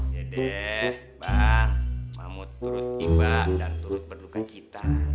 yadeh bang mamut turut hibak dan turut berduka cita